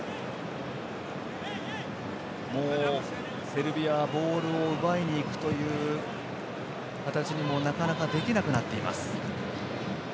セルビアはボールを奪いにいくという形にもなかなかできなくなっています。